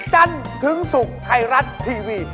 จันทึงสุขไทยรัฐทีวี